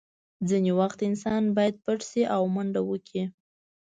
ځینې وخت انسان باید پټ شي او منډه وکړي